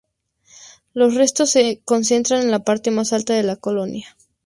Los restos se concentran en la parte más alta de la colina.